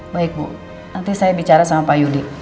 baik bu nanti saya bicara sama pak yudi